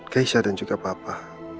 keisha dan juga papa